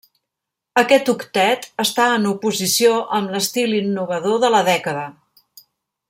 Aquest octet està en oposició amb l'estil innovador de la dècada.